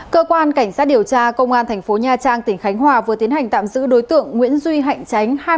cơ quan cảnh sát điều tra công an thành phố nha trang tỉnh khánh hòa vừa tiến hành tạm giữ đối tượng nguyễn duy hạnh tránh